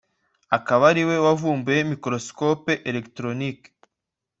akaba ari we wavumbuye microscope electronique